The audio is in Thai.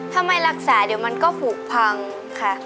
ถ้าไม่รักษาเดี๋ยวมันก็ผูกพังค่ะ